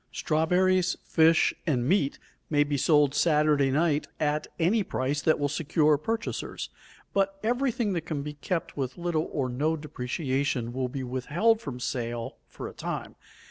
Strawberries, fish, and meat may be sold Saturday night at any price that will secure purchasers, but every thing that can be kept with little or no depreciation will be withheld from sale for a time.